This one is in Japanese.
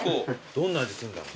どんな味すんだろ？